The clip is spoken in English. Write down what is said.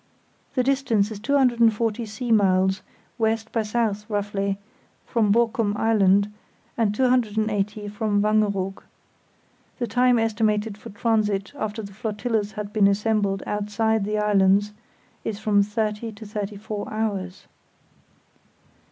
The distance is 240 sea miles, west by south roughly, from Borkum Island, and 280 from Wangeroog. The time estimated for transit after the flotillas had been assembled outside the islands is from thirty to thirty four hours.